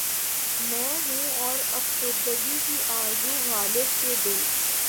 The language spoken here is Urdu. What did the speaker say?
میں ہوں اور افسردگی کی آرزو غالبؔ کہ دل